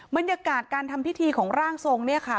บรรยากาศการทำพิธีของร่างทรงเนี่ยค่ะ